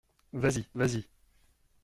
Vas-y, vas-y!